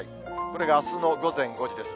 これがあすの午前５時です。